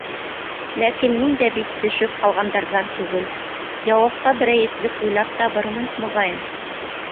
Ләкин мин дә бит төшөп ҡалғандарҙан түгел, яуапҡа берәй этлек уйлап табырмын, моғайын.